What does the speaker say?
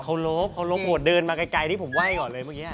เคารพเคารพโหดเดินมาไกลที่ผมไหว้ก่อนเลยเมื่อกี้ฮะ